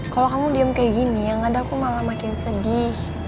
kalau kamu diem kayak gini yang ada aku malah makin sedih